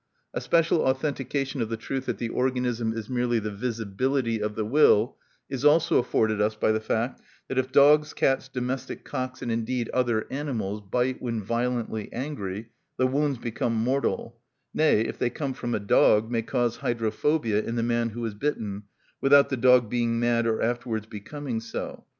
A special authentication of the truth that the organism is merely the visibility of the will is also afforded us by the fact that if dogs, cats, domestic cocks, and indeed other animals, bite when violently angry, the wounds become mortal; nay, if they come from a dog, may cause hydrophobia in the man who is bitten, without the dog being mad or afterwards becoming so.